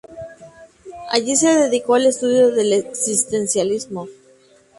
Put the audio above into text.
Allí se dedicó al estudio del existencialismo.